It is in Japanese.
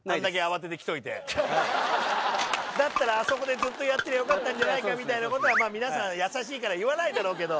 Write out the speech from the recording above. だったらあそこでずっとやってりゃよかったんじゃないかみたいなことは皆さん優しいから言わないだろうけど。